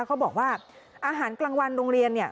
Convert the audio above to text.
เขาบอกว่าอาหารกลางวันโรงเรียนเนี่ย